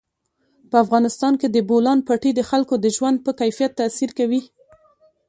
په افغانستان کې د بولان پټي د خلکو د ژوند په کیفیت تاثیر کوي.